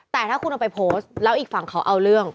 แต่ถ้าคุณเอาไปโพสต์แล้วอีกฝั่งเขาเอาเรื่อง